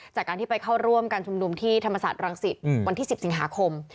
จากการที่ไปเข้าร่วมการชุมนุมที่ธรรมศาสตรังสิตวันที่๑๐สิงหาคม